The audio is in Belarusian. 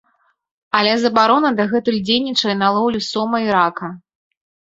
Але забарона дагэтуль дзейнічае на лоўлю сома і рака.